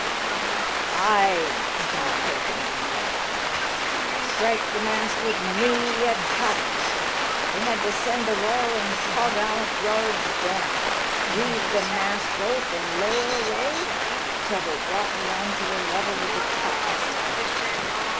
"Ay," exclaimed Perkins emphatically, "strike the mast with me atop of it. They had to send the royal and tawgallant yards down, reeve the mast rope, and lower away until they brought me on to a level with the topm'st head.